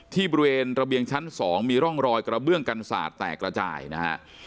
บริเวณระเบียงชั้น๒มีร่องรอยกระเบื้องกันศาสตร์แตกระจายนะฮะ